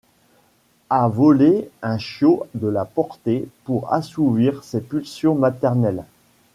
a volé un chiot de la portée pour assouvir ses pulsions maternelles.